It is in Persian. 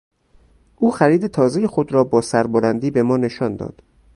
او خرید تازهی خود را با سر بلندی به ما نشان داد.